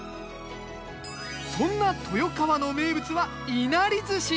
そんな豊川の名物はいなり寿司。